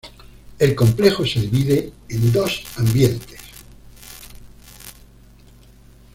El complejo se divide en dos ambientes.